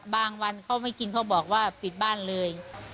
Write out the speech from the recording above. วันเขาไม่กินเขาบอกว่าปิดบ้านเลย